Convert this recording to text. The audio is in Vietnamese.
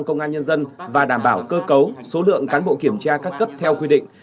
công an nhân dân và đảm bảo cơ cấu số lượng cán bộ kiểm tra các cấp theo quy định